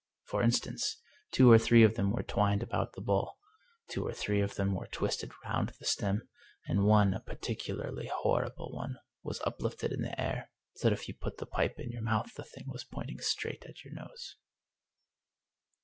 For instance, two or three of them were twined about the bowl, two or three of them were twisted round the stem, and one, a particularly horrible one, was uplifted in the air, so that if you put the pipe in your mouth the thing was pointing straight at your nose.